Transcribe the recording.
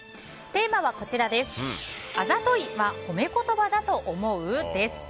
テーマは、あざとい！は褒め言葉だと思う？です。